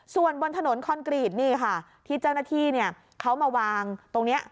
ส่วนบนถนนคอนกรีตนี่ค่ะที่เจ้าหน้าที่เขามาวางตรงนี้